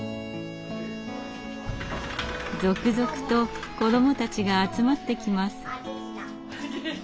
続々と子どもたちが集まってきます。